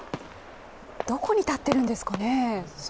どこに立っているんですかね？